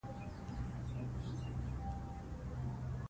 د پرېکړو محتوا د پایلې ټاکونکې ده